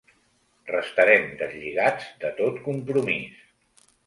Restarem deslligats de tot compromís.